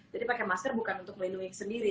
jadi pakai masker bukan untuk melindungi sendiri